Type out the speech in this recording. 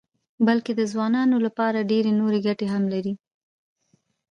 بلکې د ځوانانو لپاره ډېرې نورې ګټې هم لري.